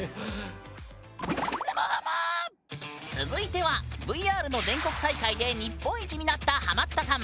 続いてはＶＲの全国大会で日本一になったハマったさん。